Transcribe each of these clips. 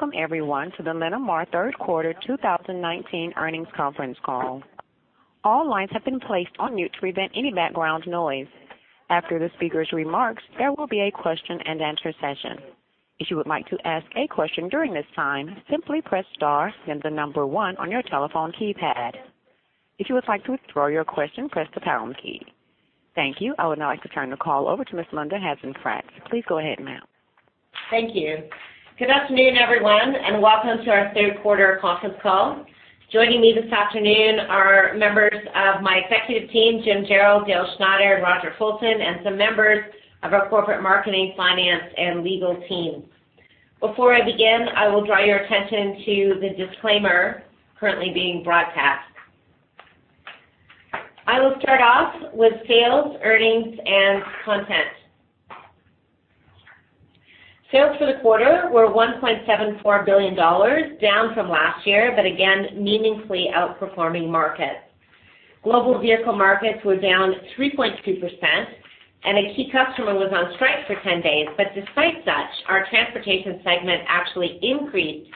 Welcome everyone, to the Linamar Third quarter 2019 Earnings Conference Call. All lines have been placed on mute to prevent any background noise. After the speaker's remarks, there will be a question and answer session. If you would like to ask a question during this time, simply press star, then the number one on your telephone keypad. If you would like to withdraw your question, press the pound key. Thank you. I would now like to turn the call over to Ms. Linda Hasenfratz. Please go ahead, ma'am. Thank you. Good afternoon, everyone, and welcome to our third quarter conference call. Joining me this afternoon are members of my executive team, Jim Jarrell, Dale Schneider, and Roger Fulton, and some members of our corporate marketing, finance, and legal team. Before I begin, I will draw your attention to the disclaimer currently being broadcast. I will start off with sales, earnings, and content. Sales for the quarter were 1.74 billion dollars, down from last year, but again, meaningfully outperforming markets. Global vehicle markets were down 3.2%, and a key customer was on strike for 10 days. But despite such, our transportation segment actually increased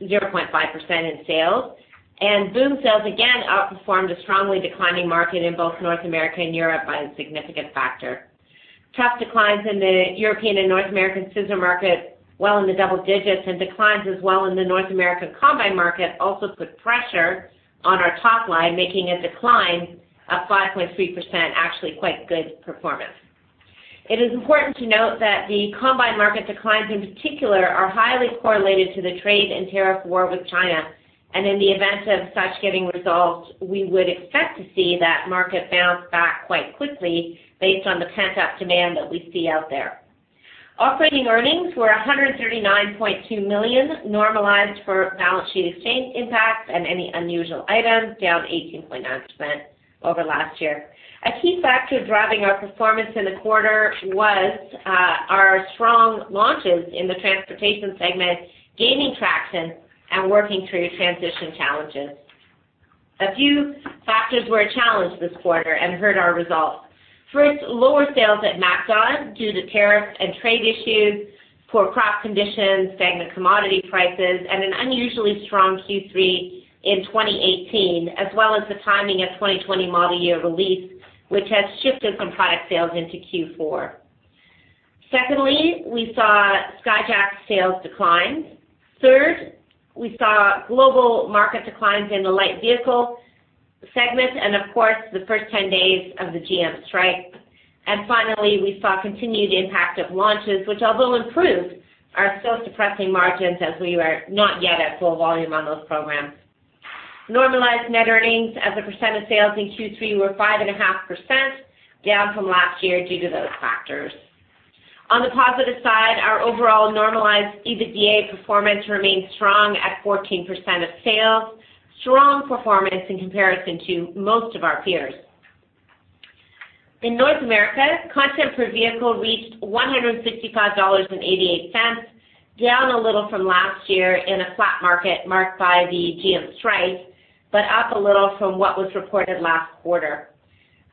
0.5% in sales, and boom sales again outperformed a strongly declining market in both North America and Europe by a significant factor. Tough declines in the European and North American scissor market, well in the double digits, and declines as well in the North American combine market also put pressure on our top line, making a decline of 5.3%, actually quite good performance. It is important to note that the combined market declines, in particular, are highly correlated to the trade and tariff war with China, and in the event of such getting resolved, we would expect to see that market bounce back quite quickly based on the pent-up demand that we see out there. Operating earnings were 139.2 million, normalized for balance sheet exchange impacts and any unusual items, down 18.9% over last year. A key factor driving our performance in the quarter was our strong launches in the transportation segment, gaining traction and working through transition challenges. A few factors were a challenge this quarter and hurt our results. First, lower sales at MacDon, due to tariff and trade issues, poor crop conditions, stagnant commodity prices, and an unusually strong Q3 in 2018, as well as the timing of 2020 model year release, which has shifted some product sales into Q4. Secondly, we saw Skyjack sales decline. Third, we saw global market declines in the light vehicle segment and of course, the first 10 days of the GM strike. And finally, we saw continued impact of launches, which although improved, are still suppressing margins as we are not yet at full volume on those programs. Normalized net earnings as a % of sales in Q3 were 5.5%, down from last year due to those factors. On the positive side, our overall normalized EBITDA performance remained strong at 14% of sales, strong performance in comparison to most of our peers. In North America, content per vehicle reached $155.88, down a little from last year in a flat market marked by the GM strike, but up a little from what was reported last quarter.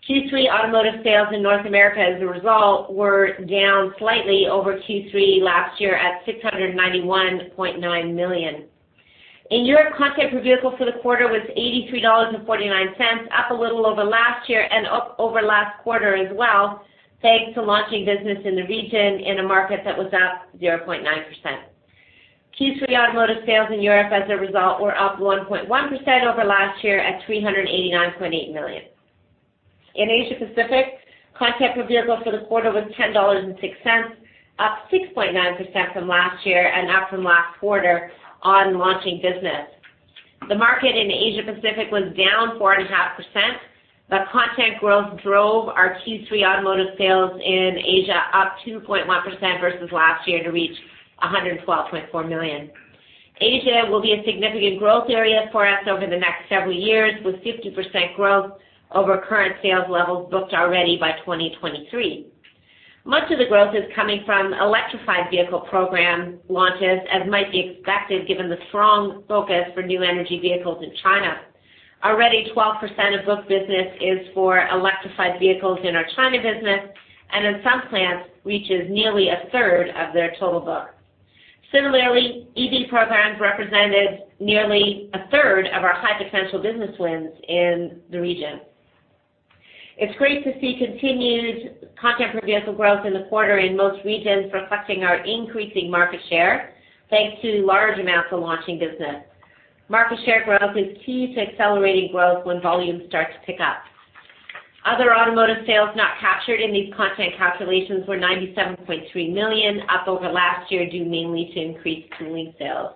Q3 automotive sales in North America, as a result, were down slightly over Q3 last year at 691.9 million. In Europe, content per vehicle for the quarter was $83.49, up a little over last year and up over last quarter as well, thanks to launching business in the region in a market that was up 0.9%. Q3 automotive sales in Europe, as a result, were up 1.1% over last year at 389.8 million. In Asia Pacific, content per vehicle for the quarter was 10.06 dollars, up 6.9% from last year and up from last quarter on launching business. The market in Asia Pacific was down 4.5%, but content growth drove our Q3 automotive sales in Asia up 2.1% versus last year to reach 112.4 million. Asia will be a significant growth area for us over the next several years, with 50% growth over current sales levels booked already by 2023. Much of the growth is coming from electrified vehicle program launches, as might be expected, given the strong focus for new energy vehicles in China. Already, 12% of booked business is for electrified vehicles in our China business, and in some plants, reaches nearly a third of their total book. Similarly, EV programs represented nearly a third of our high potential business wins in the region. It's great to see continued content per vehicle growth in the quarter in most regions, reflecting our increasing market share, thanks to large amounts of launching business. Market share growth is key to accelerating growth when volumes start to pick up. Other automotive sales not captured in these content calculations were 97.3 million, up over last year, due mainly to increased cooling sales.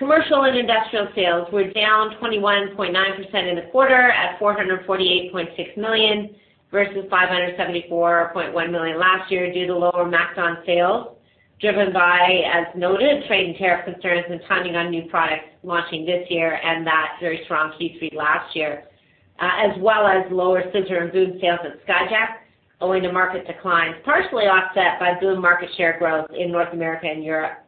Commercial and industrial sales were down 21.9% in the quarter at 448.6 million versus 574.1 million last year, due to lower MacDon sales, driven by, as noted, trade and tariff concerns and timing on new products launching this year and that very strong Q3 last year, as well as lower scissor and boom sales at Skyjack, owing to market declines, partially offset by boom market share growth in North America and Europe.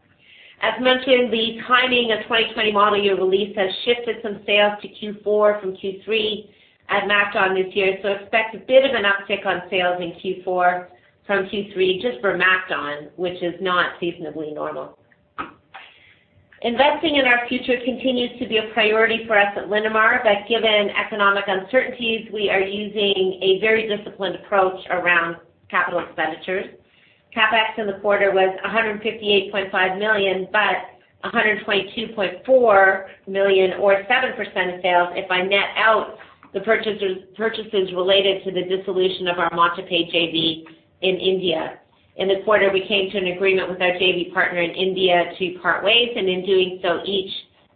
As mentioned, the timing of 2020 model year release has shifted some sales to Q4 from Q3 at MacDon this year, so expect a bit of an uptick on sales in Q4 from Q3 just for MacDon, which is not seasonally normal. Investing in our future continues to be a priority for us at Linamar, but given economic uncertainties, we are using a very disciplined approach around capital expenditures. CapEx in the quarter was 158.5 million, but 122.4 million or 7% of sales if I net out the purchases related to the dissolution of our Montupet JV in India. In the quarter, we came to an agreement with our JV partner in India to part ways, and in doing so, each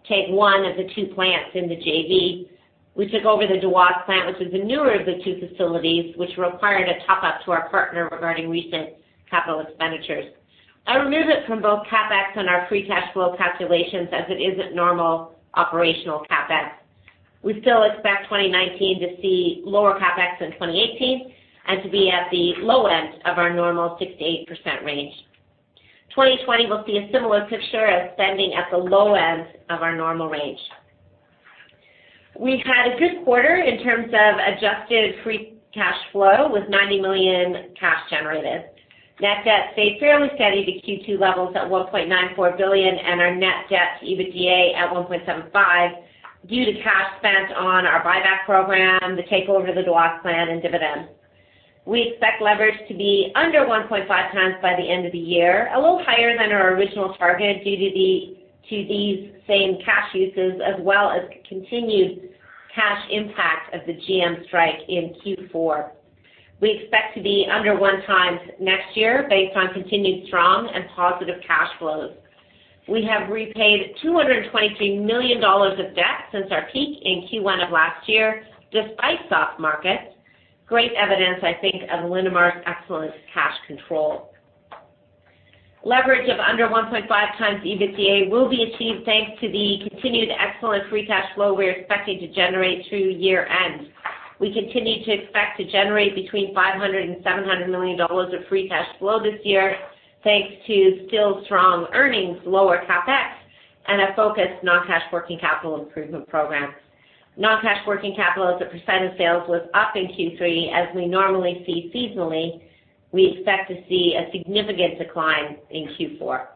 take one of the two plants in the JV. We took over the Dewas plant, which is the newer of the two facilities, which required a top-up to our partner regarding recent capital expenditures. I removed it from both CapEx and our free cash flow calculations as it isn't normal operational CapEx. We still expect 2019 to see lower CapEx than 2018, and to be at the low end of our normal 6%-8% range. 2020 will see a similar picture of spending at the low end of our normal range. We've had a good quarter in terms of adjusted free cash flow, with 90 million cash generated. Net debt stayed fairly steady to Q2 levels at 1.94 billion, and our net debt to EBITDA at 1.75, due to cash spent on our buyback program, the takeover of the Dewas plant, and dividends. We expect leverage to be under 1.5 times by the end of the year, a little higher than our original target, due to these same cash uses, as well as continued cash impact of the GM strike in Q4. We expect to be under 1x next year based on continued strong and positive cash flows. We have repaid 223 million dollars of debt since our peak in Q1 of last year, despite soft markets. Great evidence, I think, of Linamar's excellent cash control. Leverage of under 1.5x EBITDA will be achieved thanks to the continued excellent free cash flow we're expecting to generate through year-end. We continue to expect to generate between 500 million dollars and CAD 700 million of free cash flow this year, thanks to still strong earnings, lower CapEx, and a focused non-cash working capital improvement program. Non-cash working capital as a % of sales was up in Q3, as we normally see seasonally. We expect to see a significant decline in Q4.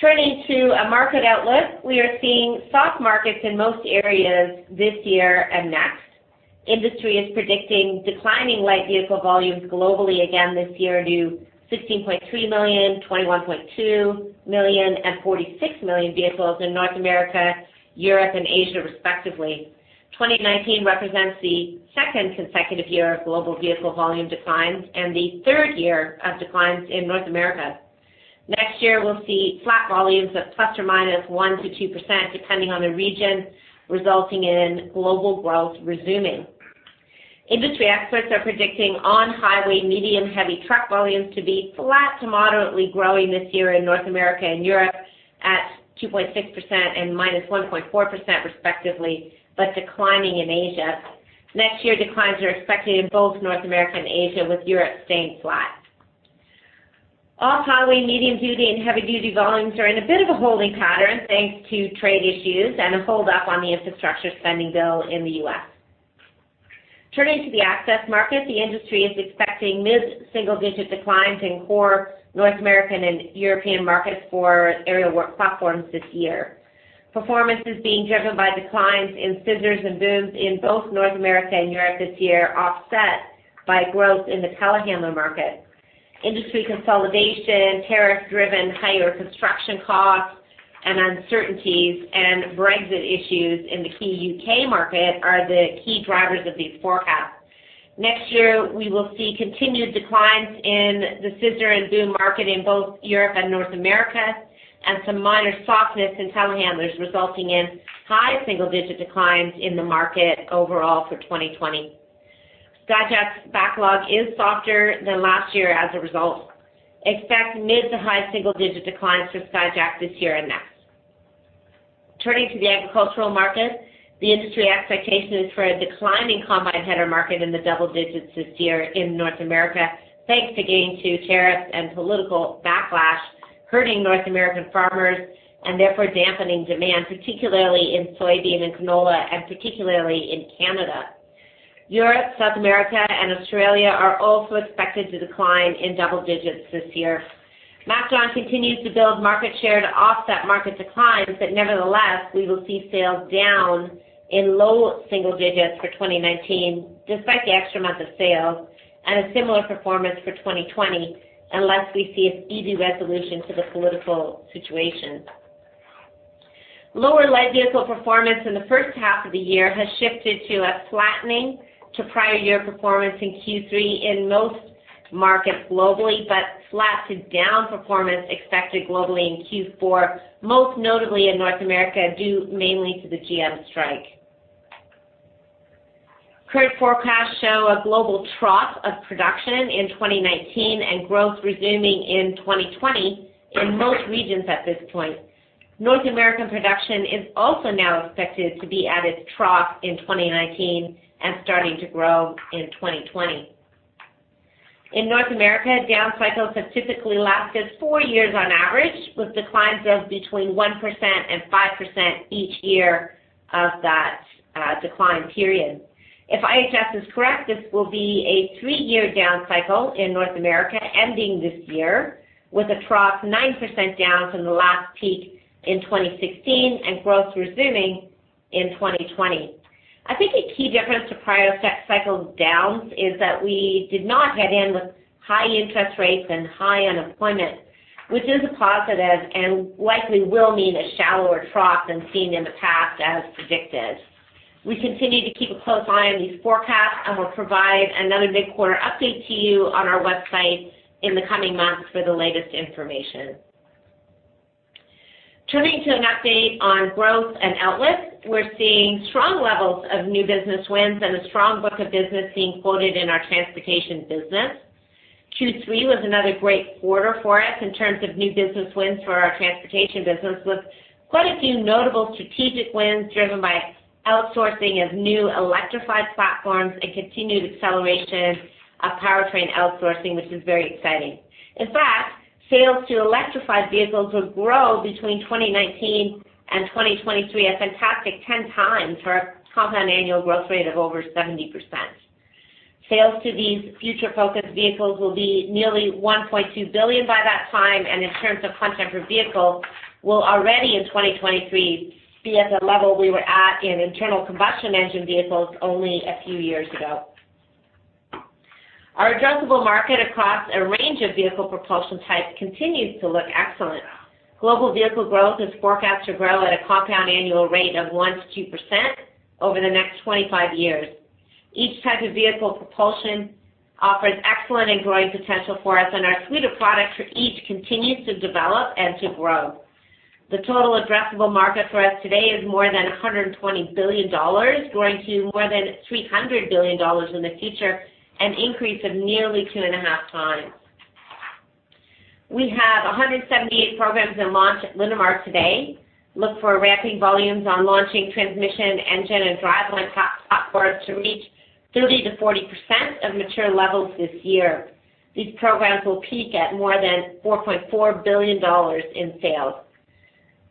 Turning to a market outlook, we are seeing soft markets in most areas this year and next. Industry is predicting declining light vehicle volumes globally again this year, to 16.3 million, 21.2 million, and 46 million vehicles in North America, Europe, and Asia, respectively. 2019 represents the second consecutive year of global vehicle volume declines and the third year of declines in North America. Next year, we'll see flat volumes of ±1% to 2%, depending on the region, resulting in global growth resuming. Industry experts are predicting on-highway, medium, heavy truck volumes to be flat to moderately growing this year in North America and Europe at 2.6% and -1.4%, respectively, but declining in Asia. Next year, declines are expected in both North America and Asia, with Europe staying flat. Off-highway, medium-duty, and heavy-duty volumes are in a bit of a holding pattern, thanks to trade issues and a hold up on the infrastructure spending bill in the U.S. Turning to the access market, the industry is expecting mid-single-digit declines in core North American and European markets for aerial work platforms this year. Performance is being driven by declines in scissors and booms in both North America and Europe this year, offset by growth in the telehandler market. Industry consolidation, tariff-driven higher construction costs and uncertainties, and Brexit issues in the key U.K. market are the key drivers of these forecasts. Next year, we will see continued declines in the scissor and boom market in both Europe and North America, and some minor softness in telehandlers, resulting in high single digit declines in the market overall for 2020. Skyjack's backlog is softer than last year as a result. Expect mid- to high-single-digit declines for Skyjack this year and next. Turning to the agricultural market, the industry expectation is for a declining combine header market in the double digits this year in North America, thanks again to tariffs and political backlash, hurting North American farmers and therefore dampening demand, particularly in soybean and canola, and particularly in Canada. Europe, South America, and Australia are also expected to decline in double digits this year. MacDon continues to build market share to offset market declines, but nevertheless, we will see sales down in low single digits for 2019, despite the extra month of sales and a similar performance for 2020, unless we see an easy resolution to the political situation. Lower light vehicle performance in the first half of the year has shifted to a flattening to prior year performance in Q3 in most markets globally, but flat to down performance expected globally in Q4, most notably in North America, due mainly to the GM strike. Current forecasts show a global trough of production in 2019 and growth resuming in 2020 in most regions at this point. North American production is also now expected to be at its trough in 2019 and starting to grow in 2020. In North America, down cycles have typically lasted 4 years on average, with declines of between 1% and 5% each year of that decline period. If IHS is correct, this will be a 3-year down cycle in North America, ending this year, with a trough 9% down from the last peak in 2016 and growth resuming in 2020. I think a key difference to prior cycle downs is that we did not head in with high interest rates and high unemployment, which is a positive and likely will mean a shallower trough than seen in the past as predicted. We continue to keep a close eye on these forecasts, and we'll provide another mid-quarter update to you on our website in the coming months for the latest information. Turning to an update on growth and outlook, we're seeing strong levels of new business wins and a strong book of business being quoted in our transportation business. Q3 was another great quarter for us in terms of new business wins for our transportation business, with quite a few notable strategic wins driven by outsourcing of new electrified platforms and continued acceleration of powertrain outsourcing, which is very exciting. In fact, sales to electrified vehicles will grow between 2019 and 2023, a fantastic 10 times for a compound annual growth rate of over 70%. Sales to these future-focused vehicles will be nearly 1.2 billion by that time, and in terms of content per vehicle, will already in 2023 be at the level we were at in internal combustion engine vehicles only a few years ago. Our addressable market across a range of vehicle propulsion types continues to look excellent. Global vehicle growth is forecast to grow at a compound annual rate of 1%-2% over the next 25 years. Each type of vehicle propulsion offers excellent and growing potential for us, and our suite of products for each continues to develop and to grow. The total addressable market for us today is more than 120 billion dollars, growing to more than 300 billion dollars in the future, an increase of nearly 2.5 times. We have 178 programs in launch at Linamar today. Look for ramping volumes on launching transmission, engine, and driveline parts for us to reach 30%-40% of mature levels this year. These programs will peak at more than 4.4 billion dollars in sales.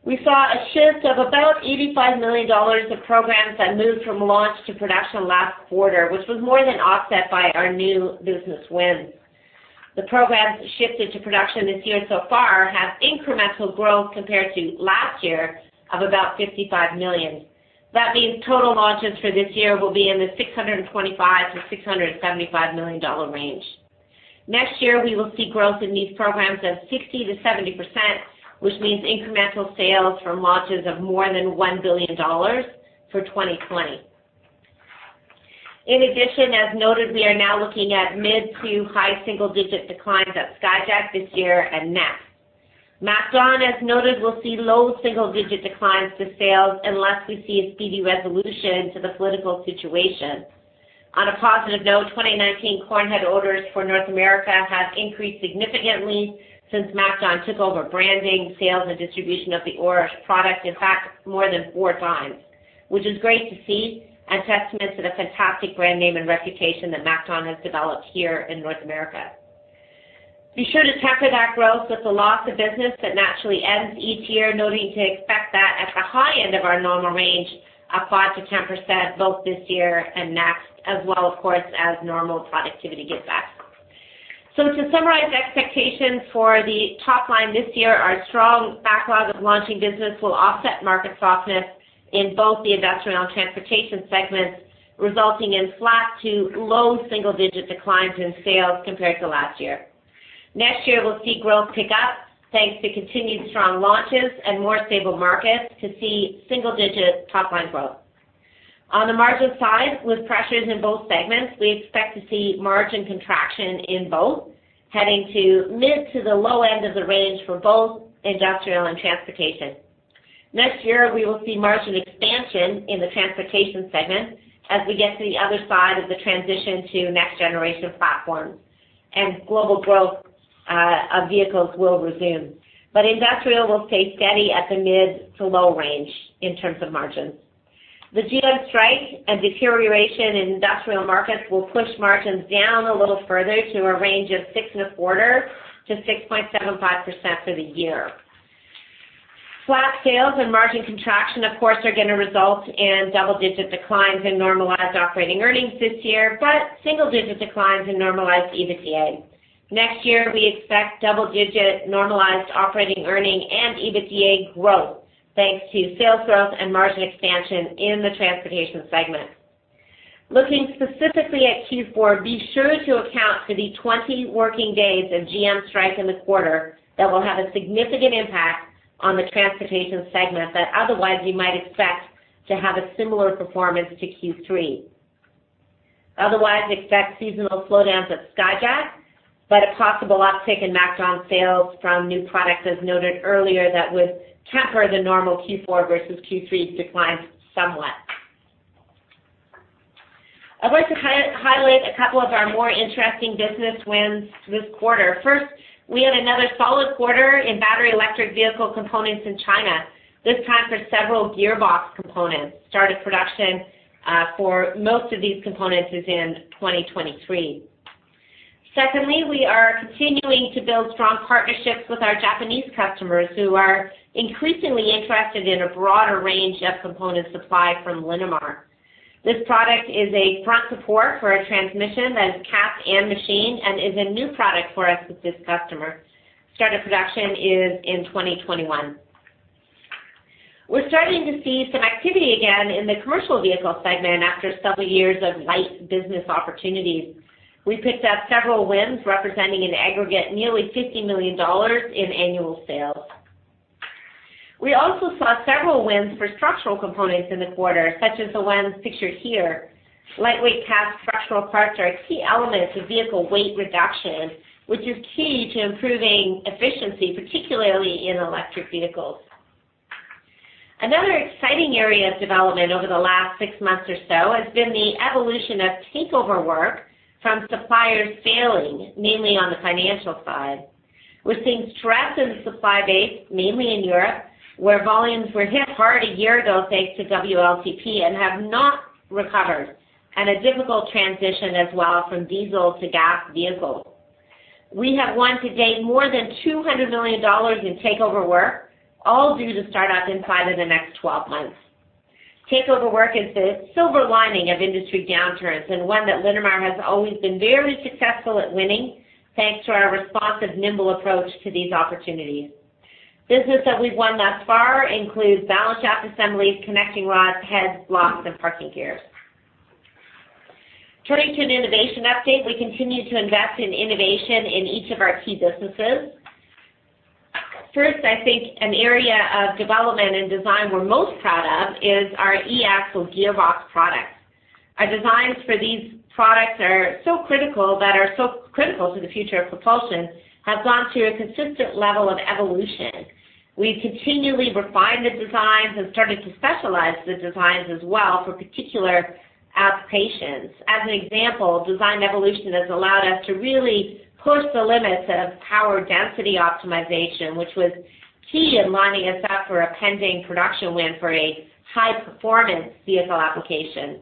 We saw a shift of about 85 million dollars of programs that moved from launch to production last quarter, which was more than offset by our new business wins. The programs shifted to production this year so far have incremental growth compared to last year of about 55 million. That means total launches for this year will be in the 625 million-675 million dollar range. Next year, we will see growth in these programs of 60%-70%, which means incremental sales from launches of more than 1 billion dollars for 2020. In addition, as noted, we are now looking at mid- to high single-digit declines at Skyjack this year and next. MacDon, as noted, will see low single-digit declines to sales unless we see a speedy resolution to the political situation. On a positive note, 2019 corn head orders for North America have increased significantly since MacDon took over branding, sales, and distribution of the Oros product. In fact, more than four times, which is great to see and testament to the fantastic brand name and reputation that MacDon has developed here in North America. Be sure to temper that growth with the loss of business that naturally ends each year, noting to expect that at the high end of our normal range of 5%-10%, both this year and next, as well, of course, as normal productivity givebacks. So to summarize expectations for the top line this year, our strong backlog of launching business will offset market softness in both the industrial and transportation segments, resulting in flat to low single-digit declines in sales compared to last year. Next year, we'll see growth pick up, thanks to continued strong launches and more stable markets, to see single-digit top-line growth. On the margin side, with pressures in both segments, we expect to see margin contraction in both, heading to mid to the low end of the range for both industrial and transportation. Next year, we will see margin expansion in the transportation segment as we get to the other side of the transition to next-generation platforms, and global growth of vehicles will resume. But industrial will stay steady at the mid to low range in terms of margins. The GM strike and deterioration in industrial markets will push margins down a little further to a range of 6.25%-6.75% for the year. Flat sales and margin contraction, of course, are going to result in double-digit declines in normalized operating earnings this year, but single-digit declines in normalized EBITDA. Next year, we expect double-digit normalized operating earning and EBITDA growth, thanks to sales growth and margin expansion in the transportation segment. Looking specifically at Q4, be sure to account for the 20 working days of GM strike in the quarter that will have a significant impact on the transportation segment that otherwise you might expect to have a similar performance to Q3. Otherwise, expect seasonal slowdowns at Skyjack, but a possible uptick in MacDon sales from new products, as noted earlier, that would temper the normal Q4 versus Q3 declines somewhat. I'd like to highlight a couple of our more interesting business wins this quarter. First, we had another solid quarter in battery electric vehicle components in China. This time, for several gearbox components. Start of production for most of these components is in 2023.... Secondly, we are continuing to build strong partnerships with our Japanese customers, who are increasingly interested in a broader range of component supply from Linamar. This product is a front support for a transmission that is capped and machined and is a new product for us with this customer. Start of production is in 2021. We're starting to see some activity again in the commercial vehicle segment after several years of light business opportunities. We picked up several wins, representing an aggregate nearly $50 million in annual sales. We also saw several wins for structural components in the quarter, such as the ones pictured here. Lightweight cast structural parts are a key element to vehicle weight reduction, which is key to improving efficiency, particularly in electric vehicles. Another exciting area of development over the last 6 months or so has been the evolution of takeover work from suppliers failing, mainly on the financial side. We're seeing stress in the supply base, mainly in Europe, where volumes were hit hard a year ago, thanks to WLTP, and have not recovered, and a difficult transition as well from diesel to gas vehicles. We have won to date more than 200 million dollars in takeover work, all due to start up inside of the next 12 months. Takeover work is the silver lining of industry downturns and one that Linamar has always been very successful at winning, thanks to our responsive, nimble approach to these opportunities. Business that we've won thus far includes balance shaft assemblies, connecting rods, heads, blocks, and parking gears. Turning to an innovation update, we continue to invest in innovation in each of our key businesses. First, I think an area of development and design we're most proud of is our eAxle gearbox products. Our designs for these products are so critical, that are so critical to the future of propulsion, have gone through a consistent level of evolution. We've continually refined the designs and started to specialize the designs as well for particular applications. As an example, design evolution has allowed us to really push the limits of power density optimization, which was key in lining us up for a pending production win for a high-performance vehicle application.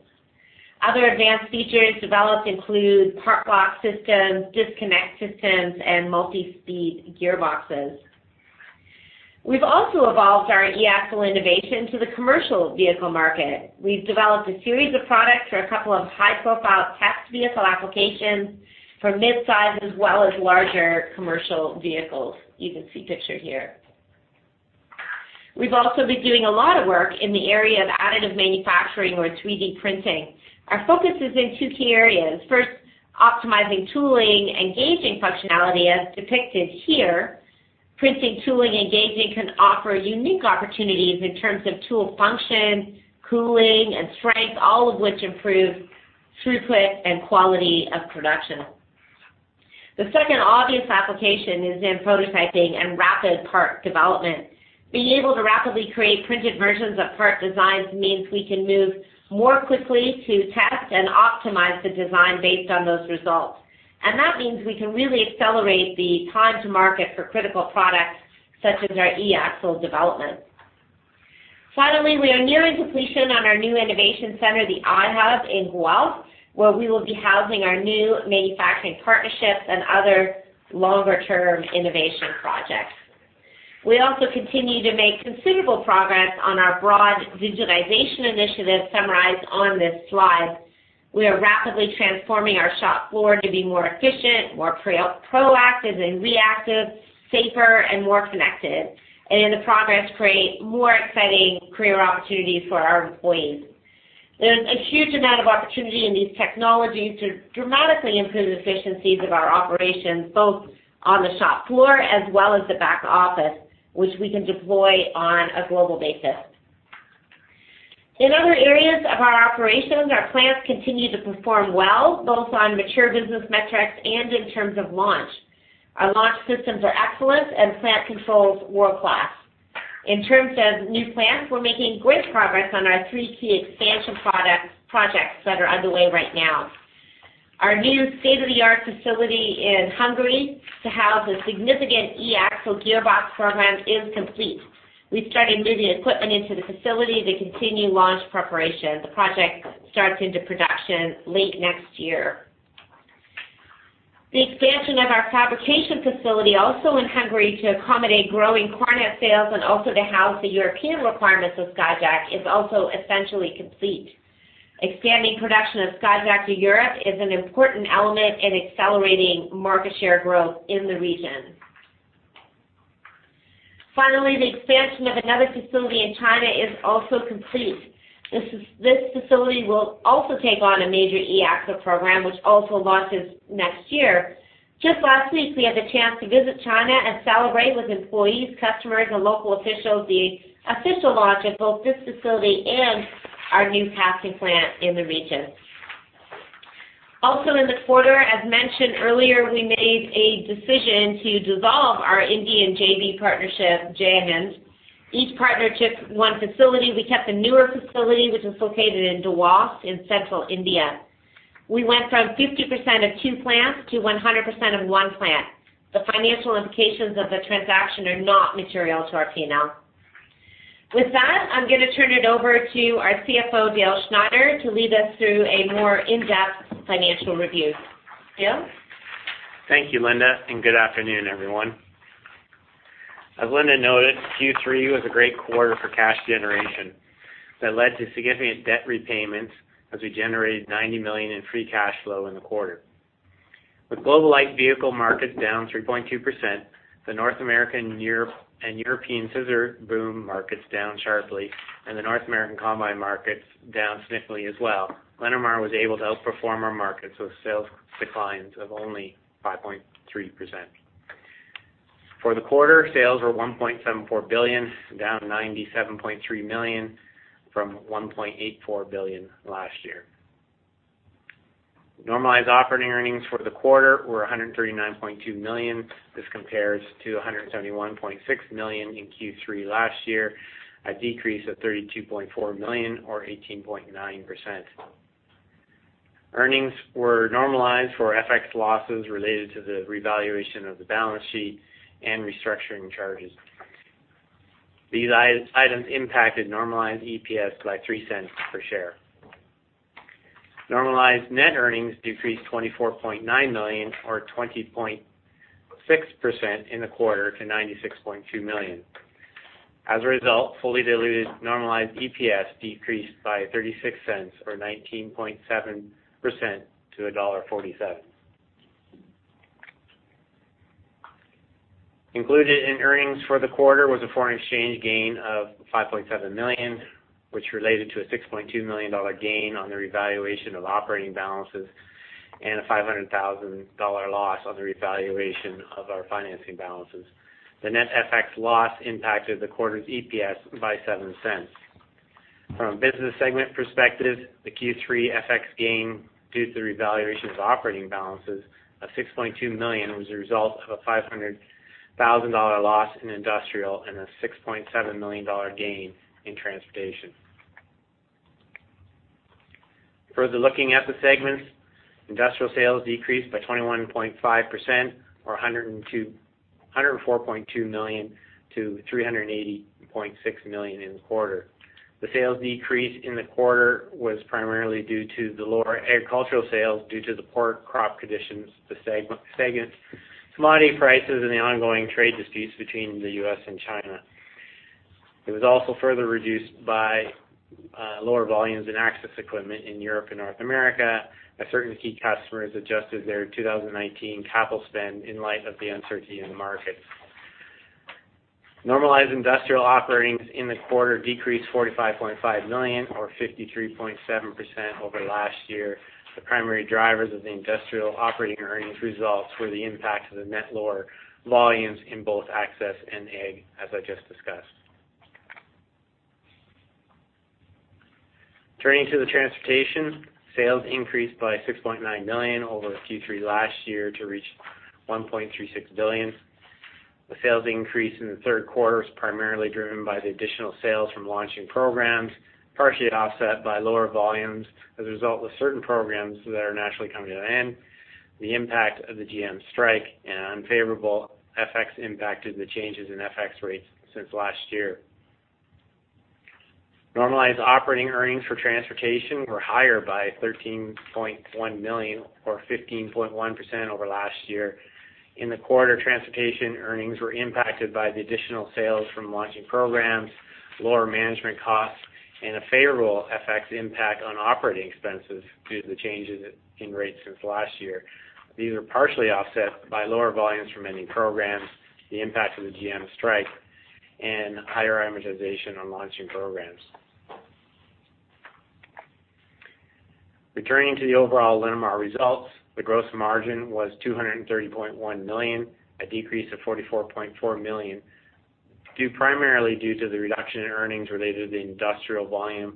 Other advanced features developed include park lock systems, disconnect systems, and multi-speed gearboxes. We've also evolved our eAxle innovation to the commercial vehicle market. We've developed a series of products for a couple of high-profile test vehicle applications for mid-size, as well as larger commercial vehicles you can see pictured here. We've also been doing a lot of work in the area of additive manufacturing or 3D printing. Our focus is in two key areas. First, optimizing tooling and gauging functionality, as depicted here. Printing, tooling, and gauging can offer unique opportunities in terms of tool function, cooling, and strength, all of which improve throughput and quality of production. The second obvious application is in prototyping and rapid part development. Being able to rapidly create printed versions of part designs means we can move more quickly to test and optimize the design based on those results. And that means we can really accelerate the time to market for critical products, such as our eAxle development. Finally, we are nearing completion on our new innovation center, the iHub, in Guelph, where we will be housing our new manufacturing partnerships and other longer-term innovation projects. We also continue to make considerable progress on our broad digitization initiative, summarized on this slide. We are rapidly transforming our shop floor to be more efficient, more proactive and reactive, safer, and more connected, and in the process, create more exciting career opportunities for our employees. There's a huge amount of opportunity in these technologies to dramatically improve the efficiencies of our operations, both on the shop floor as well as the back office, which we can deploy on a global basis. In other areas of our operations, our plants continue to perform well, both on mature business metrics and in terms of launch. Our launch systems are excellent, and plant controls world-class. In terms of new plants, we're making great progress on our three key expansion projects that are underway right now. Our new state-of-the-art facility in Hungary to house a significant eAxle gearbox program is complete. We've started moving equipment into the facility to continue launch preparation. The project starts into production late next year. The expansion of our fabrication facility, also in Hungary, to accommodate growing corn head sales and also to house the European requirements of Skyjack, is also essentially complete. Expanding production of Skyjack to Europe is an important element in accelerating market share growth in the region. Finally, the expansion of another facility in China is also complete. This facility will also take on a major eAxle program, which also launches next year. Just last week, we had the chance to visit China and celebrate with employees, customers, and local officials the official launch of both this facility and our new casting plant in the region. Also in the quarter, as mentioned earlier, we made a decision to dissolve our Indian JV partnership, Jaya Hind. Each partner took one facility. We kept the newer facility, which is located in Dewas, in central India. We went from 50% of two plants to 100% of one plant. The financial implications of the transaction are not material to our P&L.... With that, I'm gonna turn it over to our CFO, Dale Schneider, to lead us through a more in-depth financial review. Dale? Thank you, Linda, and good afternoon, everyone. As Linda noted, Q3 was a great quarter for cash generation that led to significant debt repayments as we generated 90 million in free cash flow in the quarter. With global light vehicle markets down 3.2%, the North American and European scissor boom markets down sharply, and the North American combine markets down significantly as well, Linamar was able to outperform our markets with sales declines of only 5.3%. For the quarter, sales were 1.74 billion, down 97.3 million from 1.84 billion last year. Normalized operating earnings for the quarter were 139.2 million. This compares to 171.6 million in Q3 last year, a decrease of 32.4 million or 18.9%. Earnings were normalized for FX losses related to the revaluation of the balance sheet and restructuring charges. These items impacted normalized EPS by 0.03 per share. Normalized net earnings decreased 24.9 million or 20.6% in the quarter to 96.2 million. As a result, fully diluted normalized EPS decreased by 0.36 or 19.7% to CAD 1.47. Included in earnings for the quarter was a foreign exchange gain of 5.7 million, which related to a 6.2 million dollar gain on the revaluation of operating balances and a 500,000 dollar loss on the revaluation of our financing balances. The net FX loss impacted the quarter's EPS by 0.07. From a business segment perspective, the Q3 FX gain due to the revaluation of operating balances of 6.2 million was a result of a 500,000 dollar loss in industrial and a 6.7 million dollar gain in transportation. Further looking at the segments, industrial sales decreased by 21.5% or 102-104.2 million to 380.6 million in the quarter. The sales decrease in the quarter was primarily due to the lower agricultural sales due to the poor crop conditions, the stagnant commodity prices, and the ongoing trade disputes between the U.S. and China. It was also further reduced by lower volumes in access equipment in Europe and North America, as certain key customers adjusted their 2019 capital spend in light of the uncertainty in the market. Normalized industrial operating in the quarter decreased 45.5 million or 53.7% over last year. The primary drivers of the industrial operating earnings results were the impact of the net lower volumes in both access and ag, as I just discussed. Turning to the transportation, sales increased by 6.9 million over Q3 last year to reach 1.36 billion. The sales increase in the third quarter was primarily driven by the additional sales from launching programs, partially offset by lower volumes as a result of certain programs that are naturally coming to an end, the impact of the GM strike, and unfavorable FX impact of the changes in FX rates since last year. Normalized operating earnings for transportation were higher by 13.1 million or 15.1% over last year. In the quarter, transportation earnings were impacted by the additional sales from launching programs, lower management costs, and a favorable FX impact on operating expenses due to the changes in rates since last year. These were partially offset by lower volumes from ending programs, the impact of the GM strike, and higher amortization on launching programs. Returning to the overall Linamar results, the gross margin was 230.1 million, a decrease of 44.4 million, due primarily to the reduction in earnings related to the industrial volume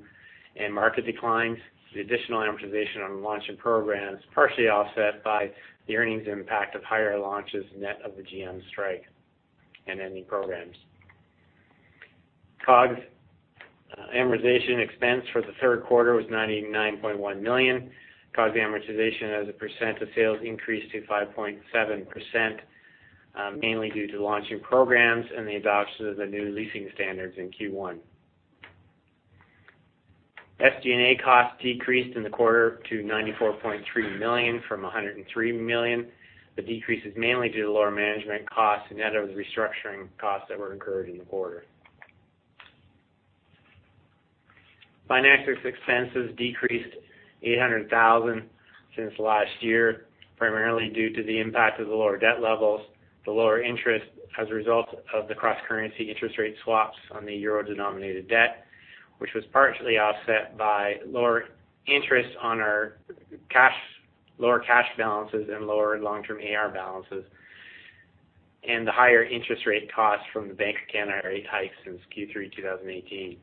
and market declines, the additional amortization on the launching programs, partially offset by the earnings impact of higher launches, net of the GM strike and ending programs. COGS amortization expense for the third quarter was 99.1 million. COGS amortization as a percent of sales increased to 5.7%, mainly due to launching programs and the adoption of the new leasing standards in Q1. SG&A costs decreased in the quarter to 94.3 million from 103 million. The decrease is mainly due to lower management costs, net of the restructuring costs that were incurred in the quarter. Financial expenses decreased 800,000 since last year, primarily due to the impact of the lower debt levels, the lower interest as a result of the cross-currency interest rate swaps on the euro-denominated debt, which was partially offset by lower interest on our cash- lower cash balances and lower long-term AR balances, and the higher interest rate costs from the Bank of Canada rate hikes since Q3 2018.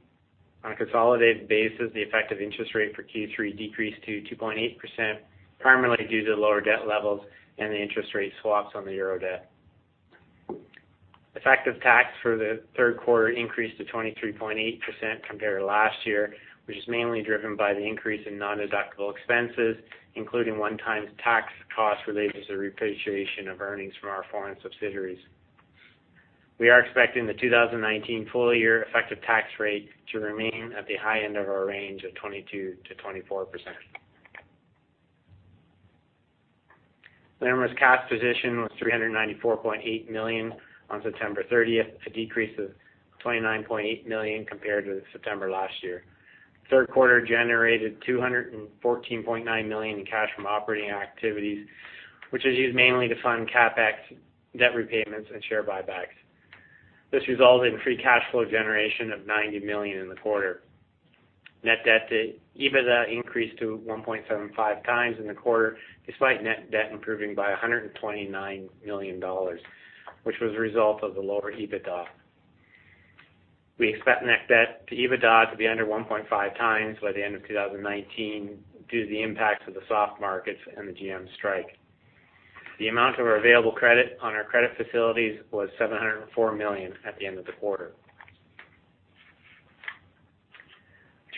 On a consolidated basis, the effective interest rate for Q3 decreased to 2.8%, primarily due to the lower debt levels and the interest rate swaps on the euro debt. Effective tax for the third quarter increased to 23.8% compared to last year, which is mainly driven by the increase in non-deductible expenses, including one-time tax costs related to the repatriation of earnings from our foreign subsidiaries. We are expecting the 2019 full year effective tax rate to remain at the high end of our range of 22%-24%. Linamar's cash position was 394.8 million on September 30, a decrease of 29.8 million compared to September last year. Third quarter generated 214.9 million in cash from operating activities, which is used mainly to fund CapEx, debt repayments, and share buybacks. This resulted in free cash flow generation of 90 million in the quarter. Net debt to EBITDA increased to 1.75 times in the quarter, despite net debt improving by 129 million dollars, which was a result of the lower EBITDA. We expect net debt to EBITDA to be under 1.5 times by the end of 2019, due to the impacts of the soft markets and the GM strike. The amount of our available credit on our credit facilities was 704 million at the end of the quarter.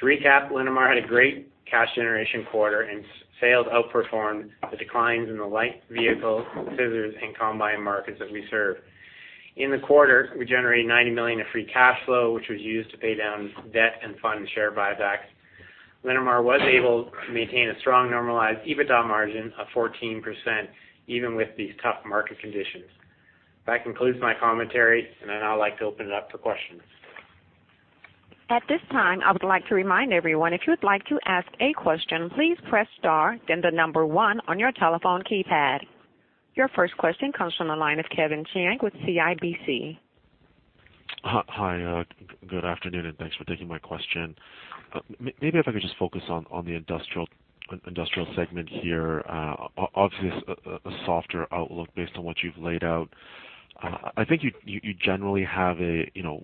To recap, Linamar had a great cash generation quarter, and sales outperformed the declines in the light vehicle, scissors, and combine markets that we serve. In the quarter, we generated 90 million in free cash flow, which was used to pay down debt and fund share buybacks. Linamar was able to maintain a strong normalized EBITDA margin of 14%, even with these tough market conditions. That concludes my commentary, and I'd now like to open it up for questions. At this time, I would like to remind everyone, if you would like to ask a question, please press star, then the number one on your telephone keypad. Your first question comes from the line of Kevin Chiang with CIBC. Hi, good afternoon, and thanks for taking my question. Maybe if I could just focus on the industrial segment here. Obviously, a softer outlook based on what you've laid out. I think you generally have, you know,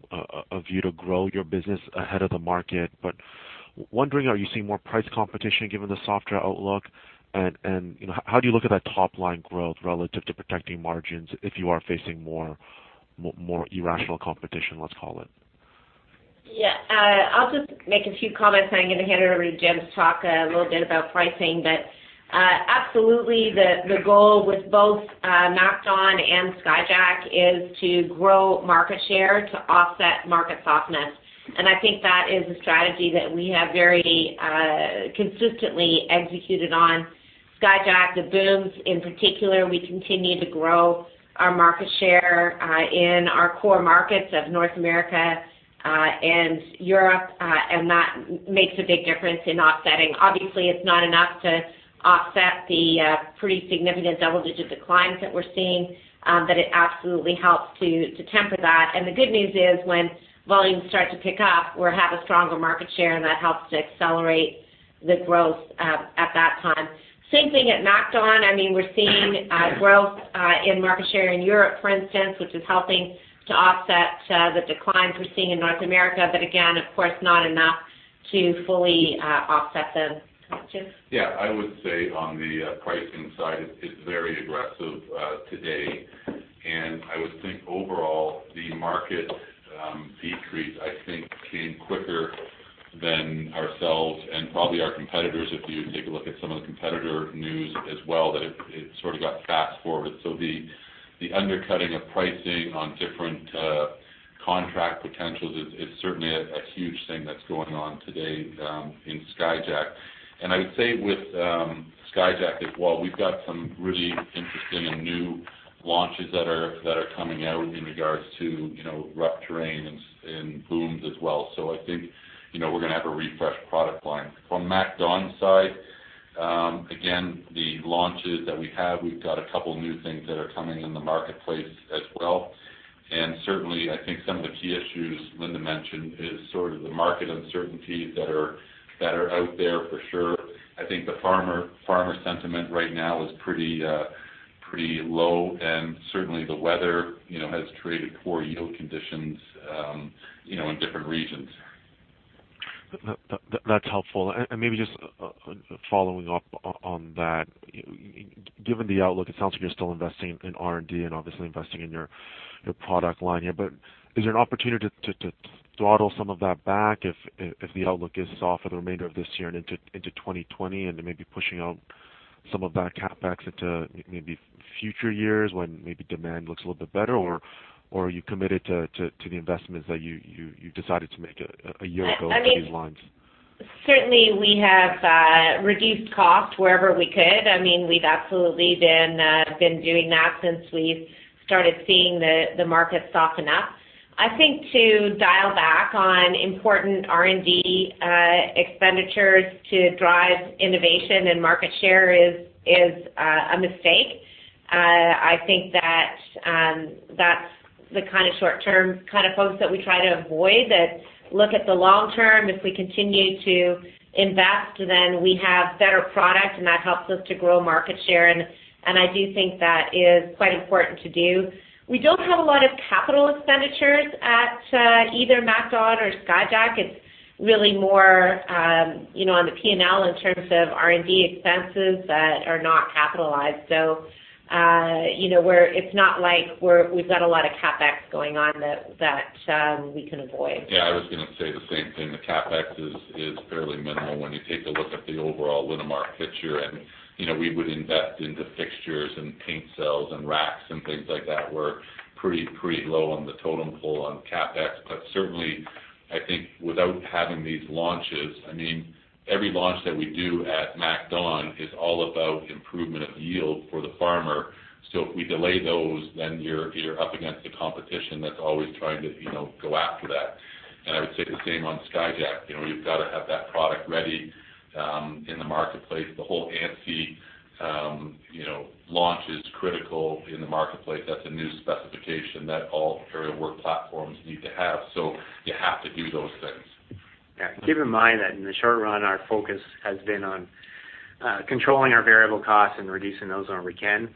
a view to grow your business ahead of the market, but wondering, are you seeing more price competition given the softer outlook? And, you know, how do you look at that top line growth relative to protecting margins if you are facing more irrational competition, let's call it? Yeah, I'll just make a few comments, and I'm gonna hand it over to James to talk a little bit about pricing. But absolutely, the goal with both MacDon and Skyjack is to grow market share to offset market softness, and I think that is a strategy that we have very consistently executed on. Skyjack, the booms in particular, we continue to grow our market share in our core markets of North America and Europe, and that makes a big difference in offsetting. Obviously, it's not enough to offset the pretty significant double-digit declines that we're seeing, but it absolutely helps to temper that. And the good news is, when volumes start to pick up, we'll have a stronger market share, and that helps to accelerate the growth at that time. Same thing at MacDon. I mean, we're seeing growth in market share in Europe, for instance, which is helping to offset the declines we're seeing in North America, but again, of course, not enough to fully offset them. Hi, James. Yeah, I would say on the, pricing side, it's very aggressive, today. And I would think overall, the market, decrease, I think, came quicker than ourselves and probably our competitors. If you take a look at some of the competitor news as well, that it sort of got fast forward. So the undercutting of pricing on different, contract potentials is certainly a huge thing that's going on today, in Skyjack. And I would say with, Skyjack as well, we've got some really interesting and new launches that are coming out in regards to, you know, rough terrain and booms as well. So I think, you know, we're gonna have a refreshed product line. From MacDon side, again, the launches that we have, we've got a couple new things that are coming in the marketplace as well. And certainly, I think some of the key issues Linda mentioned is sort of the market uncertainties that are out there for sure. I think the farmer sentiment right now is pretty low, and certainly the weather, you know, has created poor yield conditions, you know, in different regions. That's helpful. And maybe just following up on that. Given the outlook, it sounds like you're still investing in R&D and obviously investing in your product line here. But is there an opportunity to throttle some of that back if the outlook is soft for the remainder of this year and into 2020, and then maybe pushing out some of that CapEx into maybe future years when maybe demand looks a little bit better, or are you committed to the investments that you decided to make a year ago for these lines? I mean, certainly we have reduced costs wherever we could. I mean, we've absolutely been doing that since we've started seeing the market soften up. I think to dial back on important R&D expenditures to drive innovation and market share is a mistake. I think that that's the kind of short-term kind of focus that we try to avoid, that look at the long term. If we continue to invest, then we have better product, and that helps us to grow market share, and I do think that is quite important to do. We don't have a lot of capital expenditures at either MacDon or Skyjack. It's really more, you know, on the PNL in terms of R&D expenses that are not capitalized. So, you know, it's not like we've got a lot of CapEx going on that we can avoid. Yeah, I was gonna say the same thing. The CapEx is, is fairly minimal when you take a look at the overall Linamar picture. And, you know, we would invest into fixtures and paint cells and racks and things like that. We're pretty, pretty low on the totem pole on CapEx. But certainly, I think without having these launches, I mean, every launch that we do at MacDon is all about improvement of yield for the farmer. So if we delay those, then you're, you're up against the competition that's always trying to, you know, go after that. And I would say the same on Skyjack. You know, you've got to have that product ready in the marketplace. The whole ANSI, you know, launch is critical in the marketplace. That's a new specification that all aerial work platforms need to have. So you have to do those things. Yeah. Keep in mind that in the short run, our focus has been on controlling our variable costs and reducing those where we can.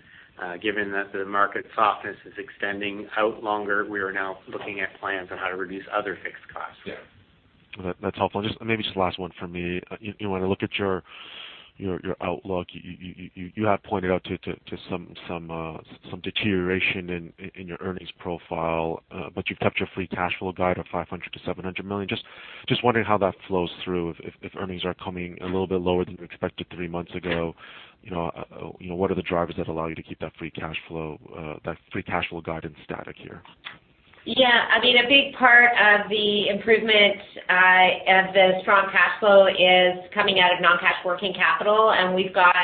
Given that the market softness is extending out longer, we are now looking at plans on how to reduce other fixed costs. Yeah. That's helpful. Just maybe the last one for me. You want to look at your outlook. You have pointed out some deterioration in your earnings profile, but you've kept your free cash flow guide of 500 million-700 million. Just wondering how that flows through if earnings are coming a little bit lower than you expected three months ago, you know, you know, what are the drivers that allow you to keep that free cash flow, that free cash flow guidance static here? Yeah. I mean, a big part of the improvement of the strong cash flow is coming out of non-cash working capital, and we've got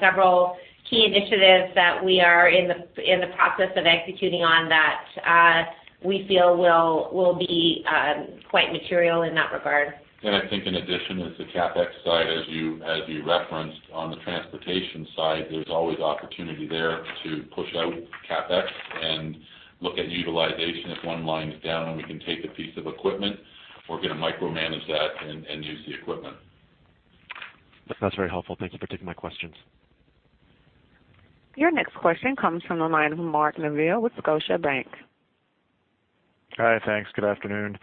several key initiatives that we are in the process of executing on that we feel will be quite material in that regard. I think in addition, as the CapEx side, as you referenced on the transportation side, there's always opportunity there to push out CapEx and look at utilization. If one line is down, and we can take a piece of equipment, we're going to micromanage that and use the equipment. That's very helpful. Thank you for taking my questions. Your next question comes from the line of Mark Neville with Scotiabank. Hi, thanks. Good afternoon.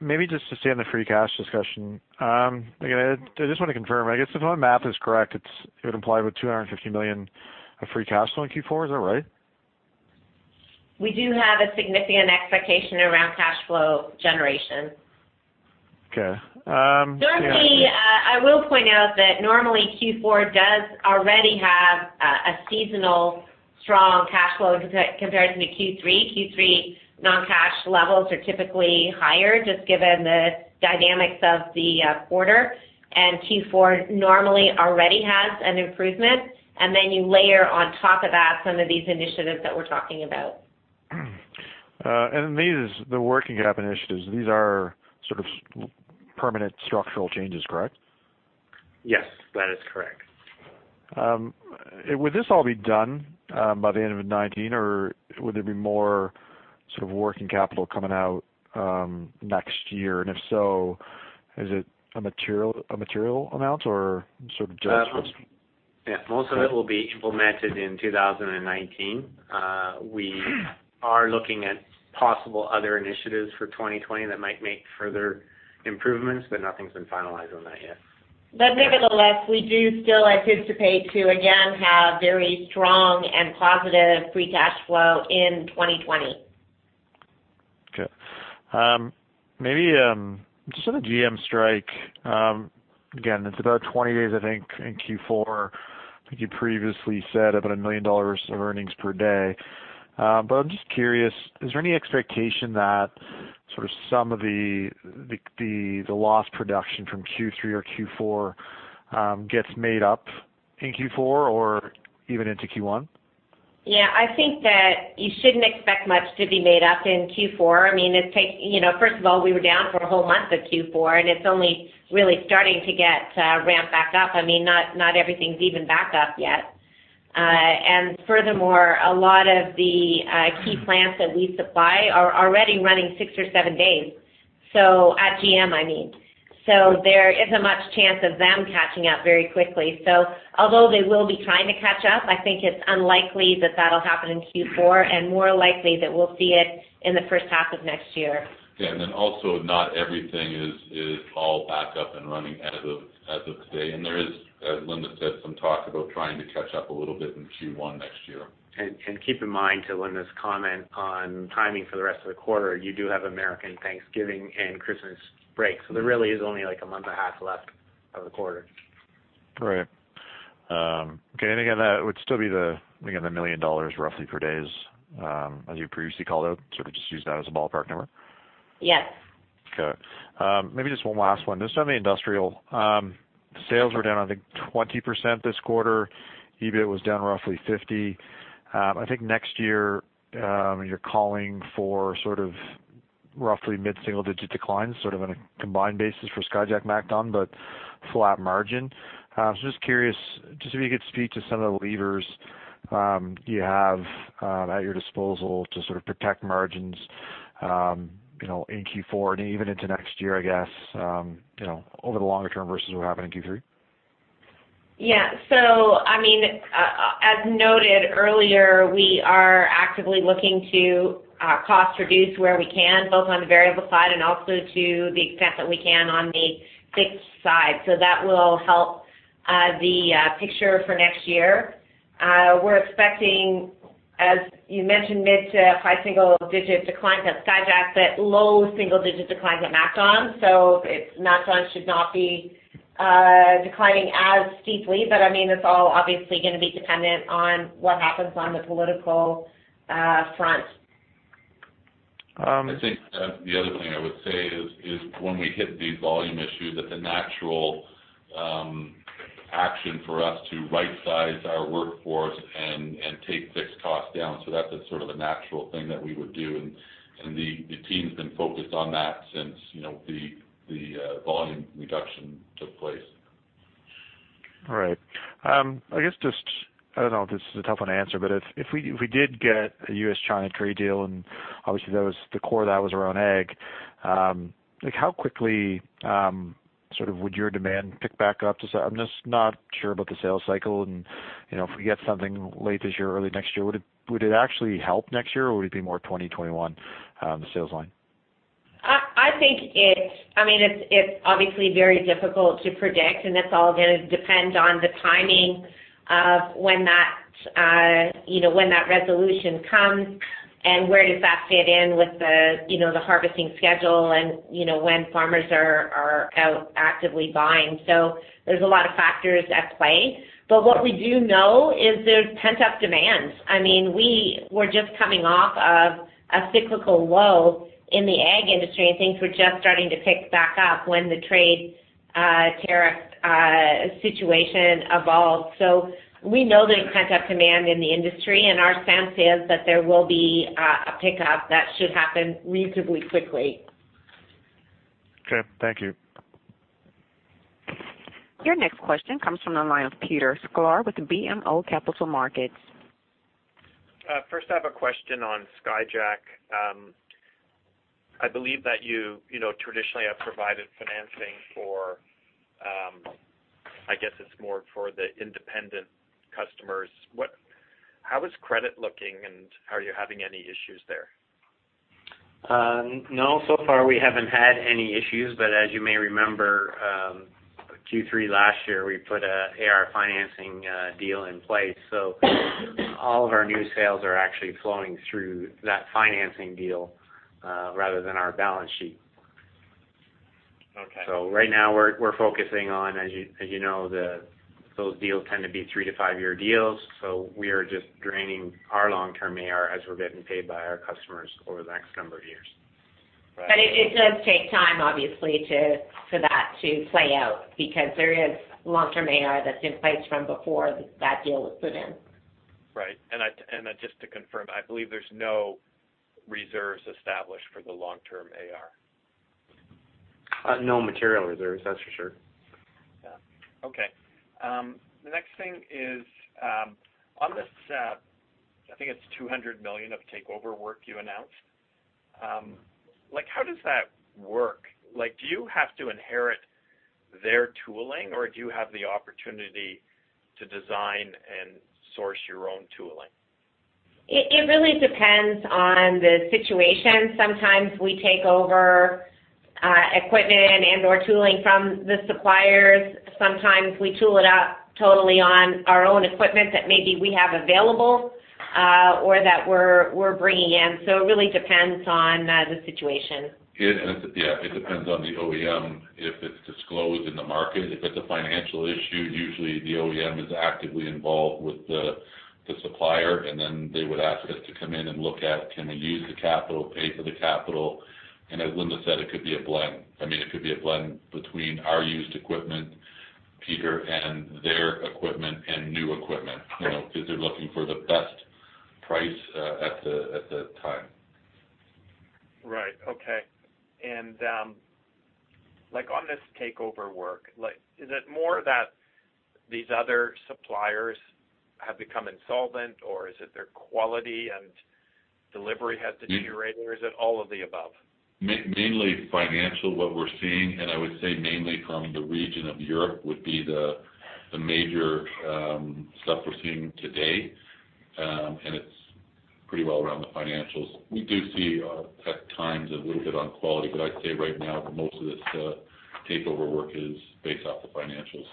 Maybe just to stay on the free cash discussion. Again, I just want to confirm, I guess, if my math is correct, it would imply about 250 million of free cash flow in Q4. Is that right? We do have a significant expectation around cash flow generation. Okay. Um- Normally, I will point out that normally, Q4 does already have a seasonal strong cash flow compared to Q3. Q3 non-cash levels are typically higher, just given the dynamics of the quarter, and Q4 normally already has an improvement. And then you layer on top of that some of these initiatives that we're talking about. These, the working capital initiatives, these are sort of permanent structural changes, correct? Yes, that is correct. Would this all be done by the end of 2019, or would there be more sort of working capital coming out next year? And if so, is it a material amount or sort of just- Yeah, most of it will be implemented in 2019. We are looking at possible other initiatives for 2020 that might make further improvements, but nothing's been finalized on that yet. But nevertheless, we do still anticipate to again have very strong and positive free cash flow in 2020. Okay. Maybe, just on the GM strike, again, it's about 20 days, I think, in Q4. I think you previously said about $1 million of earnings per day. But I'm just curious, is there any expectation that sort of some of the loss production from Q3 or Q4 gets made up in Q4 or even into Q1? Yeah, I think that you shouldn't expect much to be made up in Q4. I mean, it takes... You know, first of all, we were down for a whole month of Q4, and it's only really starting to get ramped back up. I mean, not, not everything's even back up yet. And furthermore, a lot of the key plants that we supply are already running six or seven days, so at GM, I mean. So there isn't much chance of them catching up very quickly. So although they will be trying to catch up, I think it's unlikely that that'll happen in Q4, and more likely that we'll see it in the first half of next year. Yeah, and then also, not everything is all back up and running as of today. And there is, as Linda said, some talk about trying to catch up a little bit in Q1 next year. And keep in mind, to Linda's comment on timing for the rest of the quarter, you do have American Thanksgiving and Christmas break, so there really is only like a month and a half left of the quarter. Right. Okay, and again, that would still be the, again, 1 million dollars roughly per days, as you previously called out. So we just use that as a ballpark number? Yes. Okay. Maybe just one last one. Just on the industrial, sales were down, I think, 20% this quarter. EBIT was down roughly 50%. I think next year, you're calling for sort of roughly mid-single-digit declines, sort of on a combined basis for Skyjack-MacDon, but flat margin. So just curious, just if you could speak to some of the levers you have at your disposal to sort of protect margins, you know, in Q4 and even into next year, I guess, you know, over the longer term versus what happened in Q3?... Yeah. So, I mean, as noted earlier, we are actively looking to cost reduce where we can, both on the variable side and also to the extent that we can on the fixed side. So that will help the picture for next year. We're expecting, as you mentioned, mid to high single-digit decline at Skyjack, but low single-digit decline at MacDon. So it's, MacDon should not be declining as steeply. But I mean, it's all obviously gonna be dependent on what happens on the political front. I think, the other thing I would say is, when we hit these volume issues, that the natural action for us to rightsize our workforce and take fixed costs down, so that's sort of a natural thing that we would do. And the team's been focused on that since, you know, the volume reduction took place. All right. I guess just, I don't know if this is a tough one to answer, but if we did get a U.S.-China trade deal, and obviously, that was, the core of that was around ag, like, how quickly, sort of would your demand pick back up? Just, I'm just not sure about the sales cycle, and, you know, if we get something late this year or early next year, would it actually help next year, or would it be more 2021, the sales line? I think it's—I mean, it's obviously very difficult to predict, and it's all gonna depend on the timing of when that, you know, when that resolution comes and where does that fit in with the, you know, the harvesting schedule and, you know, when farmers are out actively buying. So there's a lot of factors at play. But what we do know is there's pent-up demand. I mean, we were just coming off of a cyclical low in the ag industry, and things were just starting to pick back up when the trade tariff situation evolved. So we know there's pent-up demand in the industry, and our sense is that there will be a pickup that should happen reasonably quickly. Okay. Thank you. Your next question comes from the line of Peter Sklar with the BMO Capital Markets. First, I have a question on Skyjack. I believe that you, you know, traditionally have provided financing for, I guess it's more for the independent customers. How is credit looking, and are you having any issues there? No. So far, we haven't had any issues, but as you may remember, Q3 last year, we put a AR financing deal in place. So all of our new sales are actually flowing through that financing deal, rather than our balance sheet. Okay. So right now, we're focusing on, as you know, those deals tend to be 3- to 5-year deals, so we are just draining our long-term AR as we're getting paid by our customers over the next number of years. But it does take time, obviously, for that to play out because there is long-term AR that's in place from before that deal was put in. Right. And just to confirm, I believe there's no reserves established for the long-term AR. No material reserves, that's for sure. Yeah. Okay. The next thing is, on this, I think it's 200 million of takeover work you announced. Like, how does that work? Like, do you have to inherit their tooling, or do you have the opportunity to design and source your own tooling? It really depends on the situation. Sometimes we take over equipment and/or tooling from the suppliers. Sometimes we tool it up totally on our own equipment that maybe we have available, or that we're bringing in, so it really depends on the situation. Yeah, it depends on the OEM, if it's disclosed in the market. If it's a financial issue, usually the OEM is actively involved with the supplier, and then they would ask us to come in and look at, can they use the capital, pay for the capital? And as Linda said, it could be a blend. I mean, it could be a blend between our used equipment, Peter, and their equipment and new equipment, you know, because they're looking for the best price at the time. Right. Okay. And, like, on this takeover work, like, is it more that these other suppliers have become insolvent, or is it their quality and delivery has deteriorated, or is it all of the above? Mainly financial, what we're seeing, and I would say mainly from the region of Europe, would be the major stuff we're seeing to date. And it's pretty well around the financials. We do see at times a little bit on quality, but I'd say right now, most of this takeover work is based off the financials.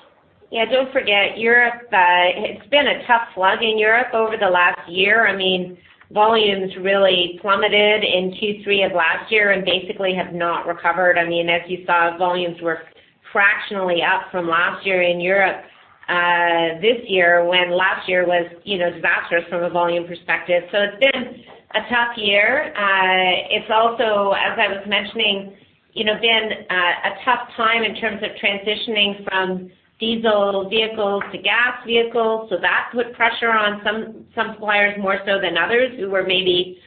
Yeah, don't forget, Europe. It's been a tough slog in Europe over the last year. I mean, volumes really plummeted in Q3 of last year and basically have not recovered. I mean, as you saw, volumes were fractionally up from last year in Europe this year, when last year was, you know, disastrous from a volume perspective. So it's been a tough year. It's also, as I was mentioning, you know, been a tough time in terms of transitioning from diesel vehicles to gas vehicles, so that put pressure on some suppliers more so than others, who were maybe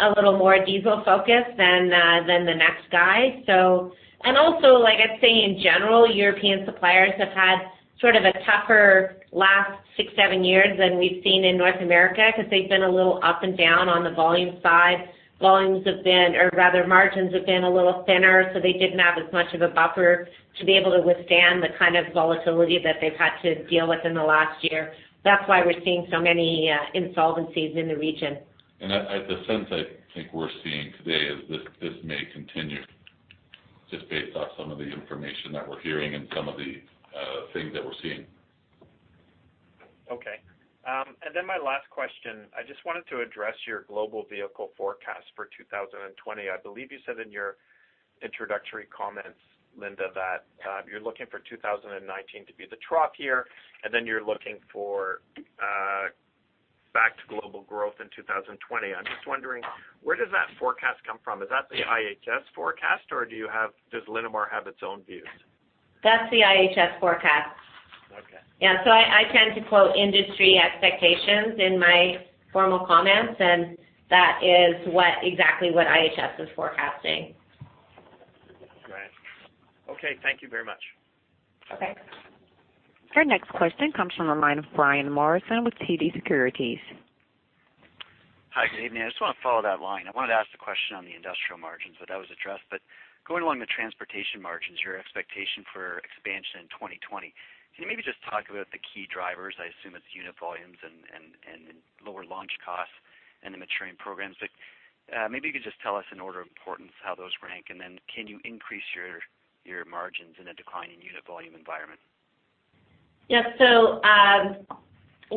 a little more diesel-focused than the next guy. So... And also, like, I'd say in general, European suppliers have had sort of a tougher last 6-7 years than we've seen in North America because they've been a little up and down on the volume side. Volumes have been, or rather, margins have been a little thinner, so they didn't have as much of a buffer to be able to withstand the kind of volatility that they've had to deal with in the last year. That's why we're seeing so many insolvencies in the region.... And the sense I think we're seeing today is this; this may continue, just based off some of the information that we're hearing and some of the things that we're seeing. Okay. And then my last question, I just wanted to address your global vehicle forecast for 2020. I believe you said in your introductory comments, Linda, that you're looking for 2019 to be the trough year, and then you're looking for back to global growth in 2020. I'm just wondering, where does that forecast come from? Is that the IHS forecast, or do you have, does Linamar have its own views? That's the IHS forecast. Okay. Yeah, so I tend to quote industry expectations in my formal comments, and that is exactly what IHS is forecasting. Right. Okay, thank you very much. Okay. Your next question comes from the line of Brian Morrison with TD Securities. Hi, good evening. I just want to follow that line. I wanted to ask a question on the industrial margins, but that was addressed. But going along the transportation margins, your expectation for expansion in 2020, can you maybe just talk about the key drivers? I assume it's unit volumes and and lower launch costs and the maturing programs. But, maybe you could just tell us in order of importance, how those rank, and then can you increase your, your margins in a declining unit volume environment? Yeah. So,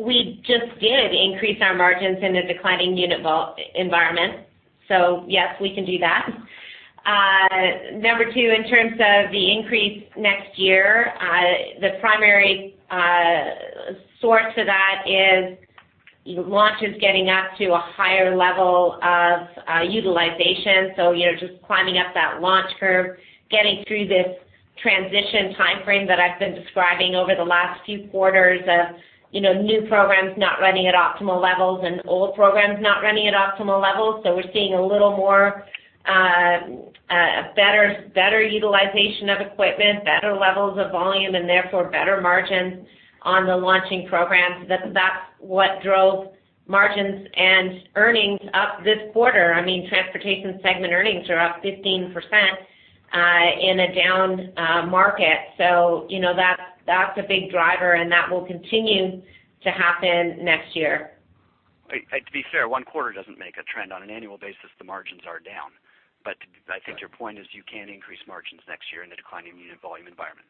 we just did increase our margins in a declining unit volume environment. So yes, we can do that. Number two, in terms of the increase next year, the primary source for that is launches getting up to a higher level of utilization. So you're just climbing up that launch curve, getting through this transition time frame that I've been describing over the last few quarters of, you know, new programs not running at optimal levels and old programs not running at optimal levels. So we're seeing a little more better utilization of equipment, better levels of volume, and therefore, better margins on the launching programs. That's what drove margins and earnings up this quarter. I mean, transportation segment earnings are up 15% in a down market. You know, that's, that's a big driver, and that will continue to happen next year. To be fair, one quarter doesn't make a trend. On an annual basis, the margins are down. Right. I think your point is you can increase margins next year in a declining unit volume environment.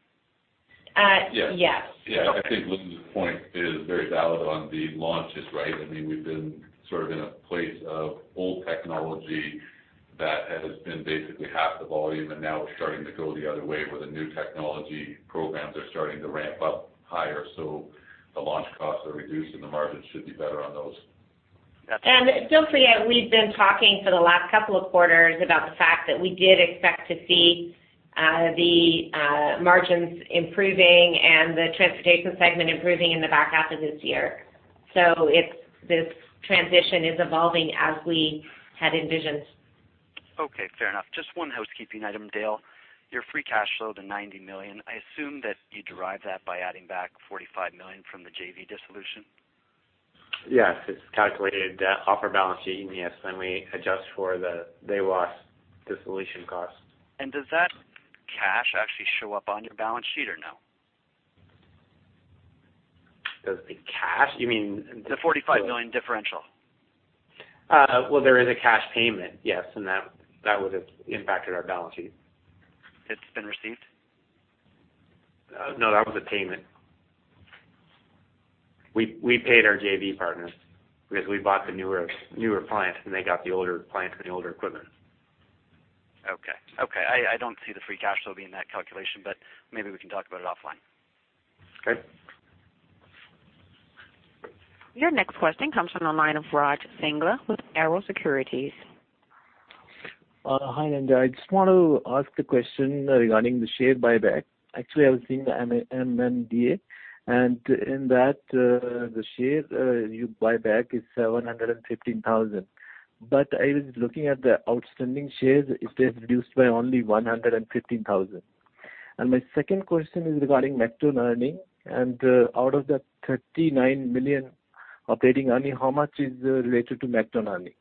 Uh, yes. Yes. Yeah, I think Linda's point is very valid on the launches, right? I mean, we've been sort of in a place of old technology that has been basically half the volume, and now it's starting to go the other way, where the new technology programs are starting to ramp up higher. So the launch costs are reduced, and the margins should be better on those. Gotcha. Don't forget, we've been talking for the last couple of quarters about the fact that we did expect to see margins improving and the transportation segment improving in the back half of this year. So it's this transition is evolving as we had envisioned. Okay, fair enough. Just one housekeeping item, Dale. Your free cash flow, the 90 million, I assume that you derive that by adding back 45 million from the JV dissolution? Yes, it's calculated off our balance sheet, and yes, then we adjust for the day loss dissolution cost. Does that cash actually show up on your balance sheet or no? Does the cash? You mean- The 45 million differential. Well, there is a cash payment, yes, and that would have impacted our balance sheet. It's been received? No, that was a payment. We paid our JV partners because we bought the newer plant, and they got the older plant and the older equipment. Okay. Okay, I don't see the free cash flow being in that calculation, but maybe we can talk about it offline. Okay. Your next question comes from the line of Raj Singhal with Arrow Securities. Hi, Linda. I just want to ask a question regarding the share buyback. Actually, I was seeing the MD&A, and in that, the share buyback is 715,000. But I was looking at the outstanding shares, it has reduced by only 115,000. And my second question is regarding MacDon earning, and out of the 39 million operating earning, how much is related to MacDon earning?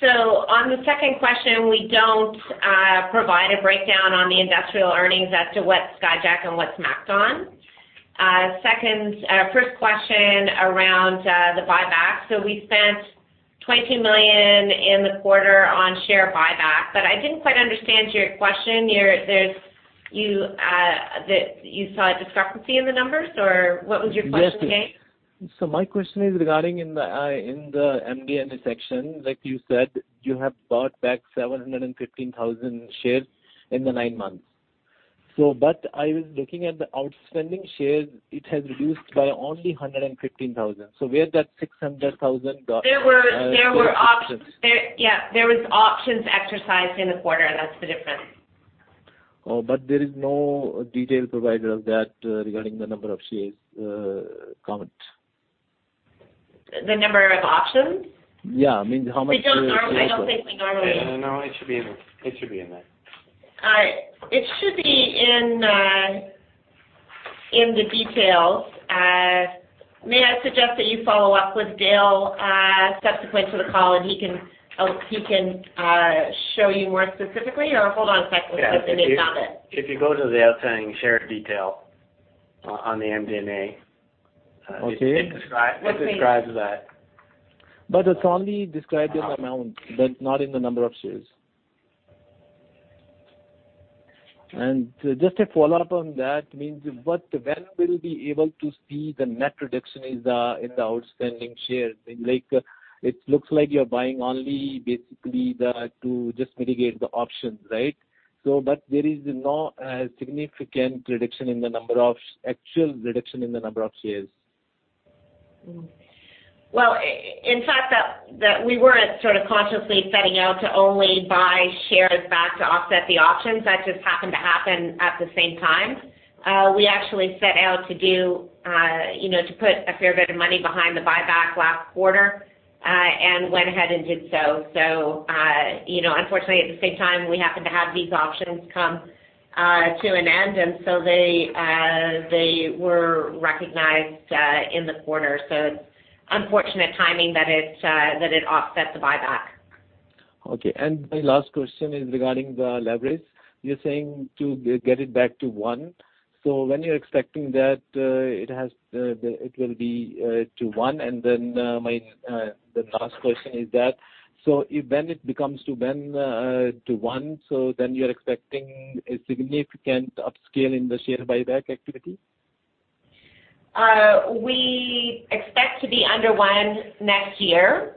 So on the second question, we don't provide a breakdown on the industrial earnings as to what's Skyjack and what's MacDon. Second, first question around the buyback. So we spent 22 million in the quarter on share buyback, but I didn't quite understand your question. Your—there's—you, that you saw a discrepancy in the numbers, or what was your question again? Yes. So my question is regarding in the, in the MD&A section, like you said, you have bought back 715,000 shares in the nine months. So but I was looking at the outstanding shares, it has reduced by only 115,000. So where did that 600,000 got? There were opt- Options. Yeah, there was options exercised in the quarter, and that's the difference. Oh, but there is no detail provided of that regarding the number of shares comment. The number of options? Yeah, I mean, how much- I don't think we normally- No, it should be in there. It should be in there. It should be in the details. May I suggest that you follow up with Dale subsequent to the call, and he can show you more specifically? Or hold on a second. Let's see if he's got it. If you go to the outstanding share detail-... on the MD&A. Okay. It describes that. But it's only described in amount, but not in the number of shares. And just a follow-up on that, means what, when will we be able to see the net reduction in the outstanding shares? Like, it looks like you're buying only basically the, to just mitigate the options, right? So but there is no significant reduction in the number of shares. Actual reduction in the number of shares. Mm-hmm. Well, in fact, that we weren't sort of consciously setting out to only buy shares back to offset the options. That just happened to happen at the same time. We actually set out to do, you know, to put a fair bit of money behind the buyback last quarter, and went ahead and did so. So, you know, unfortunately, at the same time, we happened to have these options come to an end, and so they, they were recognized in the quarter. So unfortunate timing that it, that it offset the buyback. Okay. My last question is regarding the leverage. You're saying to get it back to one, so when you're expecting that, it has, it will be, to one? And then, my, the last question is that, so if when it becomes to when, to one, so then you're expecting a significant upscale in the share buyback activity? We expect to be under one next year.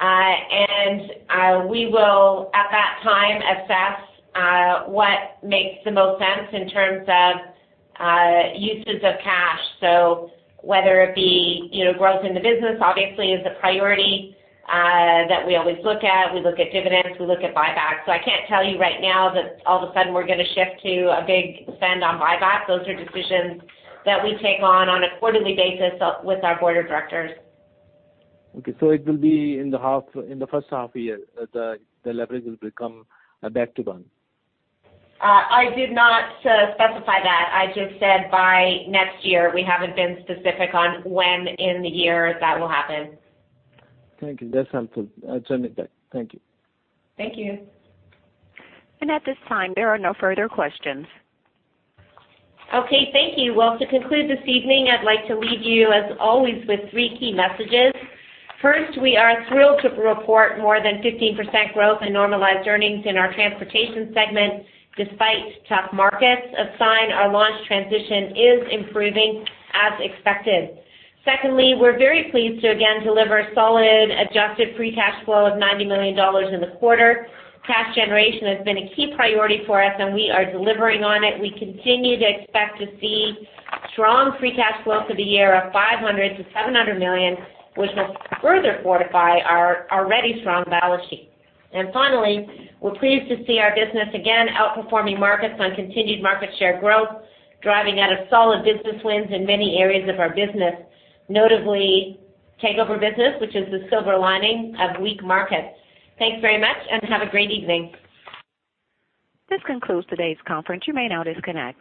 We will, at that time, assess what makes the most sense in terms of uses of cash. So whether it be, you know, growth in the business, obviously, is a priority that we always look at. We look at dividends, we look at buybacks. So I can't tell you right now that all of a sudden we're gonna shift to a big spend on buybacks. Those are decisions that we take on a quarterly basis with our board of directors. Okay, so it will be in the first half year, the leverage will become back to one? I did not specify that. I just said by next year. We haven't been specific on when in the year that will happen. Thank you. That's helpful. I turn it back. Thank you. Thank you. At this time, there are no further questions. Okay, thank you. Well, to conclude this evening, I'd like to leave you, as always, with three key messages. First, we are thrilled to report more than 15% growth in normalized earnings in our transportation segment, despite tough markets, a sign our launch transition is improving as expected. Secondly, we're very pleased to again deliver solid adjusted free cash flow of 90 million dollars in the quarter. Cash generation has been a key priority for us, and we are delivering on it. We continue to expect to see strong free cash flow for the year of 500 million-700 million, which will further fortify our already strong balance sheet. Finally, we're pleased to see our business again outperforming markets on continued market share growth, driving out of solid business wins in many areas of our business, notably takeover business, which is the silver lining of weak markets. Thanks very much and have a great evening. This concludes today's conference. You may now disconnect.